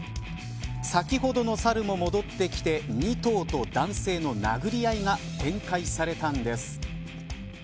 先ほどのサルも戻ってきて２頭と男性の殴り合いが展開されたんです。